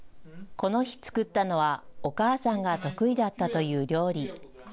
この日作ったのはお母さんが得意だったという料理。